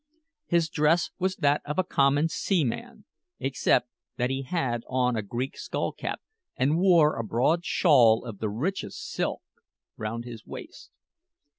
His dress was that of a common seaman, except that he had on a Greek skull cap, and wore a broad shawl of the richest silk round his waist.